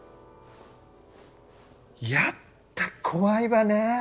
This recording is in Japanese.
やっだ怖いわね